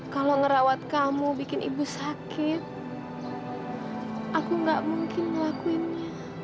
kalau ngerawat kamu bikin ibu sakit aku gak mungkin ngelakuinnya